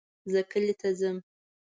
زه کلي ته ځم